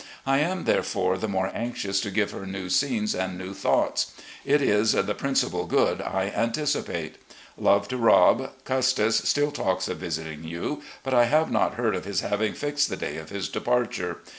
I am therefore the more anxious to give her new scenes and new thoughts. It is the principal good I anticipate. Love to Rob. Custis still talks of visiting you, but I have not heard of his having fixed the day of his departure.